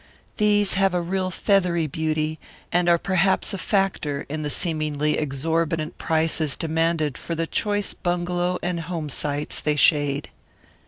These have a real feathery beauty, and are perhaps a factor in the seemingly exorbitant prices demanded for the choice bungalow and home sites they shade.